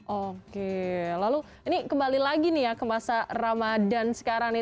oke lalu ini kembali lagi nih ya ke masa ramadhan sekarang nih